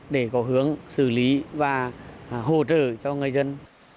để có hướng xử lý và hỗ trợ cho người dân